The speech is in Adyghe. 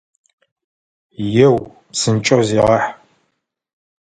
Еу, псынкӏэу зегъахь!